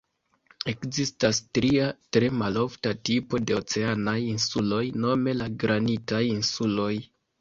Ekzistas tria, tre malofta, tipo de oceanaj insuloj, nome la granitaj insuloj.